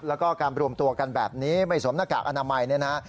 แล้วก็การรวมตัวกันแบบนี้ไม่สวมหน้ากากอนามัยเนี่ยนะฮะ